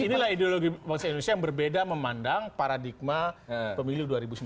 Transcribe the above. inilah ideologi bangsa indonesia yang berbeda memandang paradigma pemilu dua ribu sembilan belas